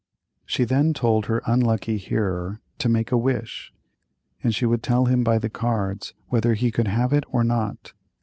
She then told her unlucky hearer to make a wish and she would tell him by the cards whether he could have it or not.